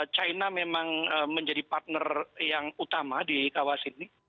china memang menjadi partner yang utama di kawasan ini